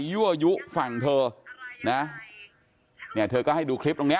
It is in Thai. ยั่วยุฟังเธอนะเธอก็ให้ดูคลิปตรงเนี่ย